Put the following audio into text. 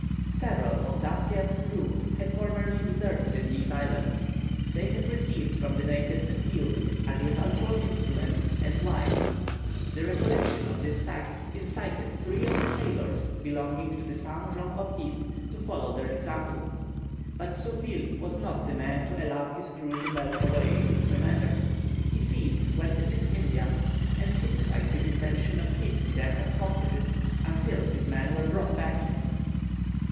Several of Dampier's crew had formerly deserted in these islands; they had received from the natives a field, agricultural instruments, and wives. The recollection of this fact incited three of the sailors belonging to the Saint Jean Baptiste to follow their example. But Surville was not the man to allow his crew to melt away in such a manner. He seized twenty six Indians, and signified his intention of keeping them as hostages until his men were brought back to him.